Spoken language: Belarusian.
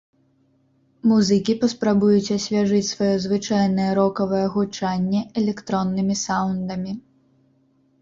Музыкі паспрабуюць асвяжыць сваё звычайнае рокавае гучанне электроннымі саўндамі.